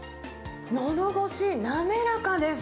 のどごし滑らかです。